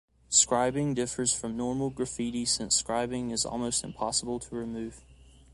Scribing differs from normal graffiti since scribing is almost impossible to remove.